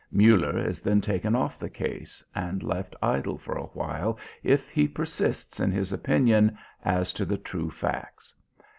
Muller is then taken off the case, and left idle for a while if he persists in his opinion as to the true facts.